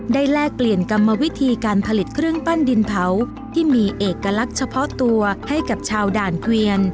แลกเปลี่ยนกรรมวิธีการผลิตเครื่องปั้นดินเผาที่มีเอกลักษณ์เฉพาะตัวให้กับชาวด่านเกวียน